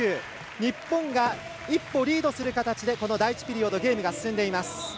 日本が一歩リードする形でこの第１ピリオドゲームが進んでいます。